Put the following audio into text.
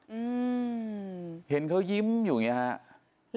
อืมเห็นเขายิ้มอยู่อย่างเงี้ฮะ